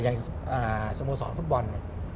อย่างสโมสรฟุตบอลเนี่ย